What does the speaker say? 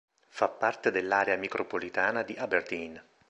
Fa parte dell'area micropolitana di Aberdeen.